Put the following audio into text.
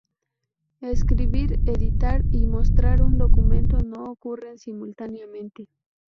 Escribir, editar, y mostrar un documento no ocurren simultáneamente.